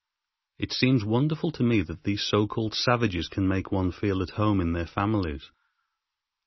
It seems wonderful to me that these so called savages can make one feel at home in their families.